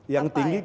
yang tinggi mbak